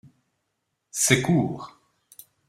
C’est court